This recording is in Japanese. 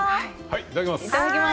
いただきます。